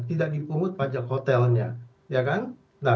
tidak dipungut pajak hotelnya